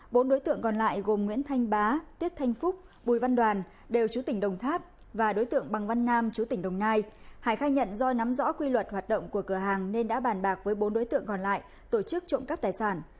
bốn đối tượng còn lại gồm nguyễn thanh bá tiết thanh phúc bùi văn đoàn đều chú tỉnh đồng tháp và đối tượng bằng văn nam chú tỉnh đồng nai hải khai nhận do nắm rõ quy luật hoạt động của cửa hàng nên đã bàn bạc với bốn đối tượng còn lại tổ chức trộm cắp tài sản